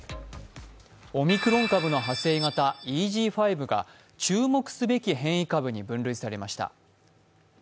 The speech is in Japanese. オミクロン株の派生型ウイルスＥＧ．５が注目すべき変異株に分類されました。